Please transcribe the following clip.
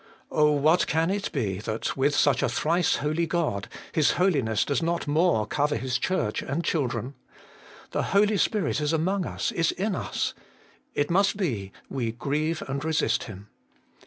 Oh, what can it be that, with such a Thrice Holy God, His Holiness does not more cover His Church and children ? The Holy Spirit is among us, is in us : it must be we grieve and resist Him.